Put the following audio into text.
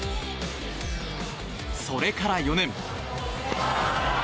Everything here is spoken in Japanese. それから４年。